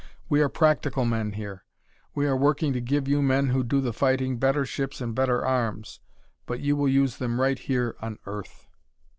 We are practical men here; we are working to give you men who do the fighting better ships and better arms. But you will use them right here on Earth."